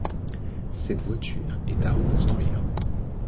Cette voiture est à reconstruire.